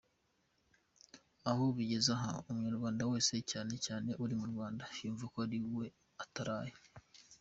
Aho bigeze aha, umunyarwanda wese cyane cyane uri mu Rwanda, yumva ko yiriwe ataraye!